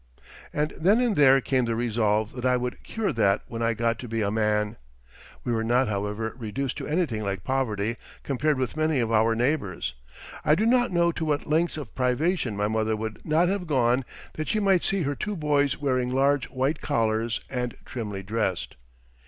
And then and there came the resolve that I would cure that when I got to be a man. We were not, however, reduced to anything like poverty compared with many of our neighbors. I do not know to what lengths of privation my mother would not have gone that she might see her two boys wearing large white collars, and trimly dressed.